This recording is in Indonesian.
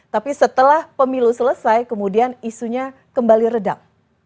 tapi setelah pemilu selesai kemudian isunya kembali redam